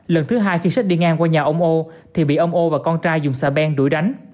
lần thứ hai khi sách đi ngang qua nhà ông ô thì bị ông ô và con trai dùng xà beng đuổi đánh